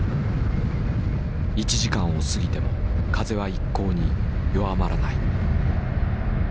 １時間を過ぎても風は一向に弱まらない。